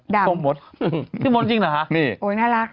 ที่หมดจริงเหรอค่ะนี่โอ้ยน่ารัก